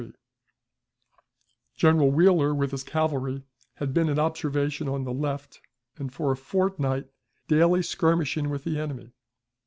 33,583 General Wheeler with his cavalry had been in observation on the left, and for a fortnight, daily skirmishing with the enemy.